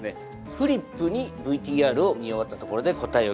フリップにＶＴＲを見終わったところで答えを記入してください。